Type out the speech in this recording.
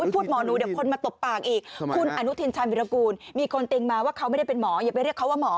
พูดหมอหนูเดี๋ยวคนมาตบปากอีกคุณอนุทินชาญวิรากูลมีคนติ้งมาว่าเขาไม่ได้เป็นหมออย่าไปเรียกเขาว่าหมอ